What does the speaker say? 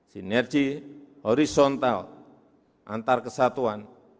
sinergi horizontal antar kesatuan